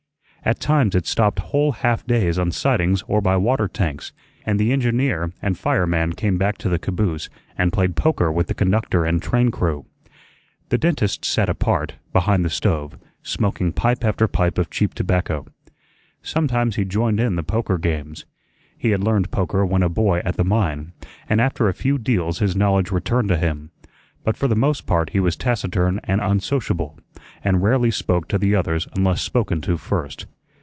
At times it stopped whole half days on sidings or by water tanks, and the engineer and fireman came back to the caboose and played poker with the conductor and train crew. The dentist sat apart, behind the stove, smoking pipe after pipe of cheap tobacco. Sometimes he joined in the poker games. He had learned poker when a boy at the mine, and after a few deals his knowledge returned to him; but for the most part he was taciturn and unsociable, and rarely spoke to the others unless spoken to first.